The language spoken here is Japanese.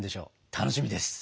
楽しみです！